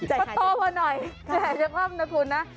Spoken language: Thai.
อ่ะเจ๋งความรับคุณนะ